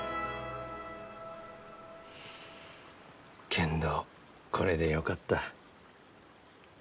けんどこれでよかった。